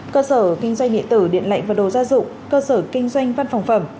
cơ sở kinh doanh nghệ tử điện lệnh và đồ gia dụng cơ sở kinh doanh văn phòng phẩm